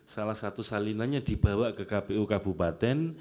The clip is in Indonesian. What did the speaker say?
salah satu salinannya dibawa ke kpu kabupaten